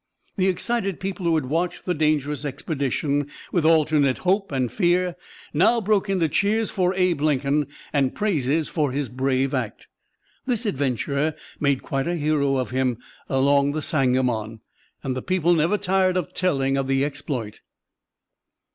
"The excited people who had watched the dangerous expedition with alternate hope and fear, now broke into cheers for Abe Lincoln, and praises for his brave act. This adventure made quite a hero of him along the Sangamon, and the people never tired of telling of the exploit."